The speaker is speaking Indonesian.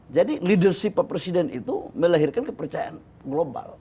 jadi leadership pak presiden itu melahirkan kepercayaan global